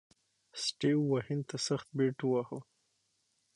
سټیو وا هند ته سخت بیټ وواهه.